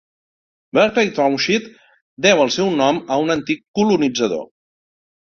Barclay Township deu el seu nom a un antic colonitzador.